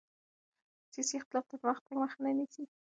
سیاسي اختلاف د پرمختګ مخه نه نیسي